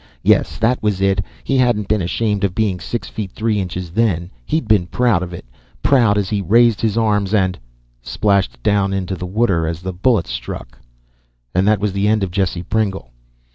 Yes, that was it. He hadn't been ashamed of being six feet three inches then, he'd been proud of it, proud as he raised his arms and Splashed down into the water as the bullets struck. And that was the end of Jesse Pringle.